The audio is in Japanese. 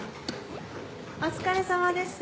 お疲れさまです。